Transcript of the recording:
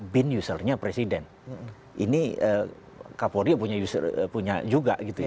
bin usernya presiden ini kapolri punya juga gitu ya